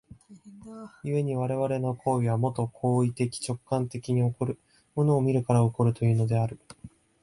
故に我々の行為は、もと行為的直観的に起こる、物を見るから起こるというのである。